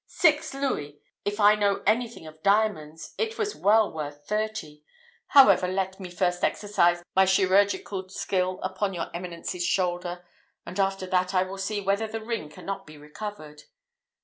Six louis! If I know anything of diamonds, it was well worth thirty. However, first let me exercise my chirurgical skill upon your eminence's shoulder, and after that I will see whether the ring cannot be recovered."